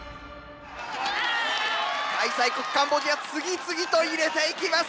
開催国カンボジア次々と入れていきます！